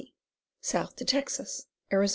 south to Texas, Ariz.